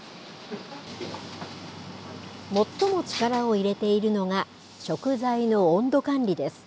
最も力を入れているのが食材の温度管理です。